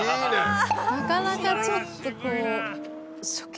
なかなかちょっとこう。